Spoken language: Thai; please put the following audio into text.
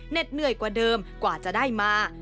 เหนื่อยกว่าเดิมกว่าจะได้มา